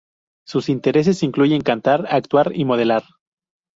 Sus intereses incluyen cantar, actuar y modelar.